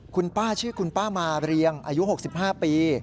คุณป้าชื่อคุณป้ามาเรียงอายุ๖๕ปี